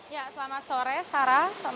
ya selamat sore sarah